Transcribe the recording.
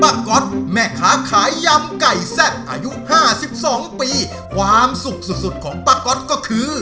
ก๊อตแม่ค้าขายยำไก่แซ่บอายุห้าสิบสองปีความสุขสุดสุดของป้าก๊อตก็คือ